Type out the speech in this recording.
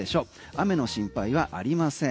雨の心配はありません。